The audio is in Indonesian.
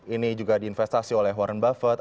ini juga diinvestasi oleh warren buffet